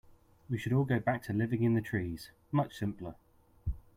We should all go back to living in the trees, much simpler.